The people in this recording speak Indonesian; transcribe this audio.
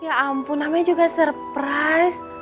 ya ampun namanya juga surprise